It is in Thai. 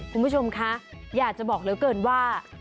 คุณผู้ชมคะอยากจะบอกเหลือเกินว่า